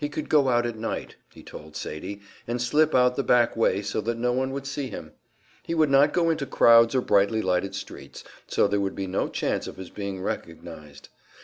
He could go out at night, he told Sadie, and slip out the back way, so that no one would see him; he would not go into crowds or brightly lighted streets, so there would be no chance of his being recognized.